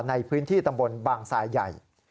ในพื้นที่ตำบลบางทรายใหญ่